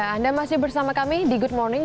anda masih bersama kami di good morning